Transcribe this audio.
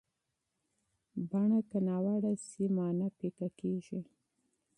بڼه که ناوړه شي، معنا پیکه کېږي.